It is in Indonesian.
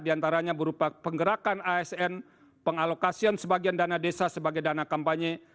diantaranya berupa penggerakan asn pengalokasian sebagian dana desa sebagai dana kampanye